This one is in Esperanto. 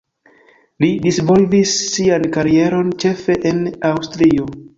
Li disvolvis sian karieron ĉefe en Aŭstrio.